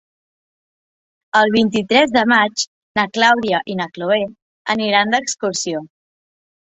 El vint-i-tres de maig na Clàudia i na Cloè aniran d'excursió.